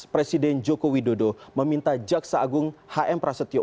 presiden joko widodo meminta jaksa agung hm prasetyo